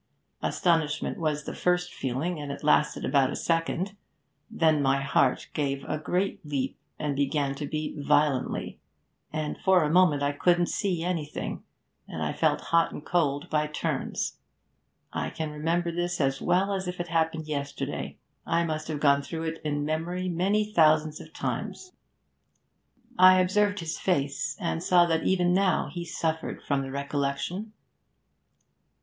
Astonishment was the first feeling, and it lasted about a second; then my heart gave a great leap, and began to beat violently, and for a moment I couldn't see anything, and I felt hot and cold by turns. I can remember this as well as if it happened yesterday; I must have gone through it in memory many thousands of times.' I observed his face, and saw that even now he suffered from the recollection.